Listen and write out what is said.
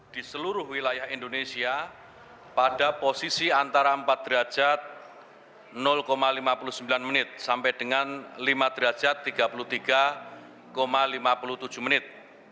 di seluruh wilayah indonesia pada posisi antara empat derajat lima puluh sembilan menit sampai dengan lima derajat tiga puluh tiga lima puluh tujuh menit